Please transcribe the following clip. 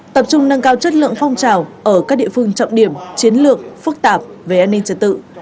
tập trung nâng cao chất lượng phong trào ở các địa phương trọng điểm chiến lược phức tạp về an ninh trật tự